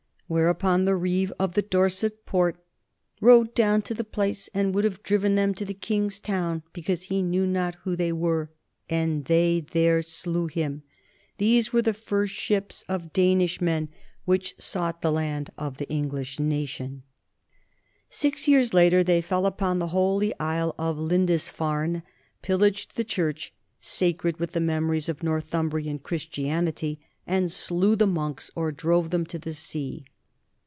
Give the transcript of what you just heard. ], whereupon the reeve of the Dorset port "rode down to the place and would have driven them to the king's town, because he knew not who they were; and they there slew him. These were the first ships of Danishmen which sought the 1 II, 14, as translated by Keary, Vikings, p. 136. THE COMING OF THE NORTHMEN 33 land of the English nation." Six years later they fell upon the holy isle of Lindisfarne, pillaged the church sacred with the memories of Northumbrian Christianity, and slew the monks or drove them into the sea.